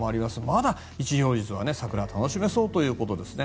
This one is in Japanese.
まだ一両日は桜楽しめそうということですね。